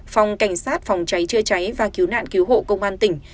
phòng cảnh sát phòng cháy chữa cháy và cứu nạn cứu hộ công an tỉnh